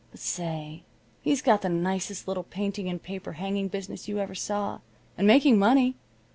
But say, he's got the nicest little painting and paper hanging business you ever saw, and making money.